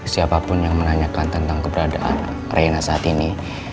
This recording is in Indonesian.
siapapun yang menanyakan tentang keberadaan reina saat ini